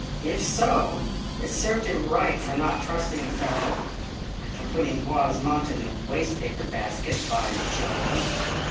If so, it served him right for not trusting a fellow—and for putting Boismont in the waste paper basket, by Jove!